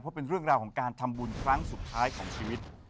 เพราะเป็นเรื่องราวของการทำบุญครั้งสุดท้ายของชีวิต